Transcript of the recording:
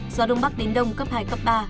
gió đông bắc đến đông cấp hai cấp ba